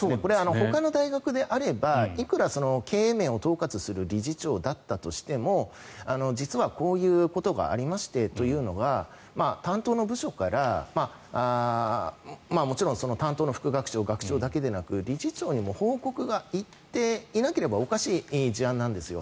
ほかの大学であればいくら経営面を統括する理事長だったとしても実は、こういうことがありましてというのは担当の部署からもちろん担当の副学長、学長だけでなく理事長にも報告がいっていなければおかしい事案なんです。